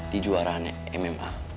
di juaraannya mma